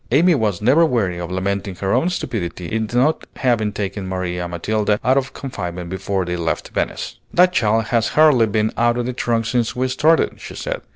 Amy was never weary of lamenting her own stupidity in not having taken Maria Matilda out of confinement before they left Venice. "That child has hardly been out of the trunk since we started," she said.